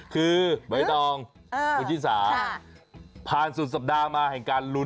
คือใบตองคุณชิสาผ่านสุดสัปดาห์มาแห่งการลุ้น